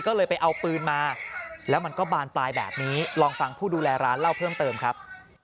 ก็เลยไปเอาปืนมาแล้วมันก็บานปลายแบบนี้ลองฟังผู้ดูแลร้านเล่าเพิ่มเติมครับ